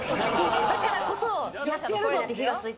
だからこそ、やってやるぞって火がついた。